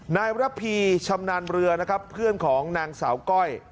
นายระพีชำนาญเรือนะครับเพื่อนของนางสาวก้อย